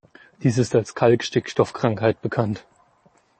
Dies ist als "Kalkstickstoff-Krankheit" bekannt.